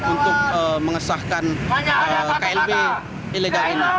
untuk mengesahkan klb ilegal ini